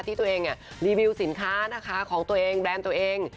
ที่ตัวเองรีวิวสินค้านะคะของตัวเองแบรนด์ตัวเอง